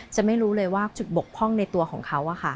ไม่รู้เลยว่าจุดบกพร่องในตัวของเขา